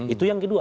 itu yang kedua